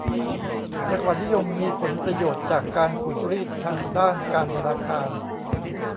จักรวรรดินิยมมีผลประโยชน์จากการขูดรีดทางด้านการธนาคาร